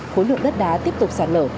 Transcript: khối lượng đất đá tiếp tục sạt lỡ